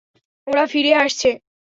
ওরা ফিরে আসছে।